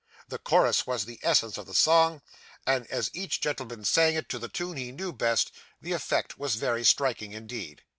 The chorus was the essence of the song; and, as each gentleman sang it to the tune he knew best, the effect was very striking indeed.